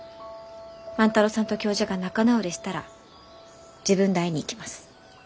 万太郎さんと教授が仲直りしたら自分で会いに行きます。